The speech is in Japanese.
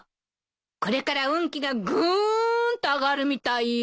これから運気がぐーんと上がるみたいよ。